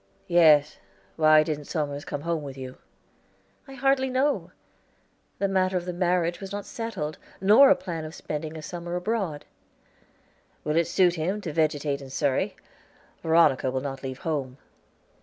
"Yes. Why didn't Somers come home with you?" "I hardly know. The matter of the marriage was not settled, nor a plan of spending a summer abroad." "Will it suit him to vegetate in Surrey? Veronica will not leave home."